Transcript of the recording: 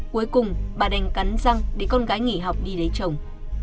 cuối cùng bà đành cắn răng để con gái nghỉ học đi lấy chồng